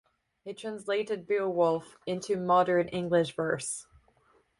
He translated "Beowulf" into modern English verse.